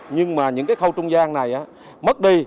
nhưng mà những cái khâu trung gian này mất đi